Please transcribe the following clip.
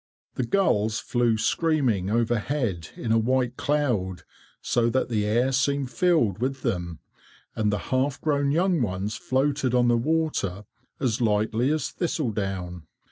The gulls flew, screaming, overhead, in a white cloud, so that the air seemed filled with them, and the half grown young ones floated on the water, as lightly as thistle down.